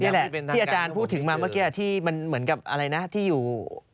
นี่แหละที่อาจารย์พูดถึงมาเมื่อกี้ที่มันเหมือนกับอะไรนะที่อยู่